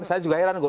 saya juga heran kok